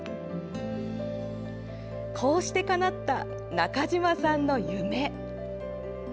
こうしてかなった、中島さんの夢。